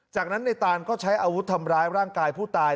จากนั้นในตานก็ใช้อาวุธทำร้ายร่างกายผู้ตาย